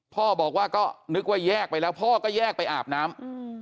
พ่อบอกว่าก็นึกว่าแยกไปแล้วพ่อก็แยกไปอาบน้ำ